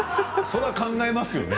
それは考えますよね。